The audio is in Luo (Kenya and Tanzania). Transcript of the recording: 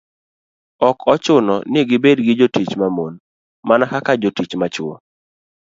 ok ochuno ni gibed gi jotich ma mon, mana kaka jotich ma chwo.